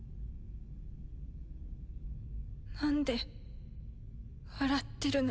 なんで笑ってるの？